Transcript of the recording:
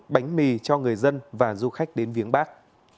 bánh mì cho người dân và du khách đến viếng bắc